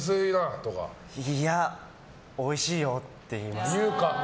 いや、おいしいよって言います。